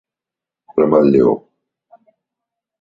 Bramar el lleó.